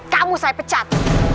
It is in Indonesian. kamu saya pecat